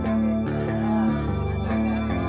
saya gugurin pintu dia